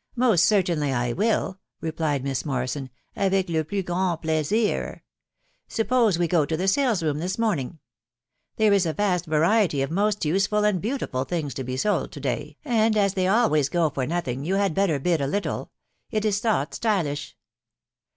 " Most certainly I will," replied Miss Morrison, " avedt Jeplu grang plesire. ... Suppose we go to the sale rooms this morning ? There is a vast variety of most useful and beau tiful things to be sold to day, and as they always go for no thing, you had better bid a little. It is thought stylish."